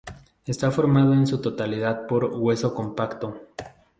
Está formado, en su totalidad, por hueso compacto.